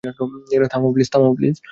থামাও, প্লিজ।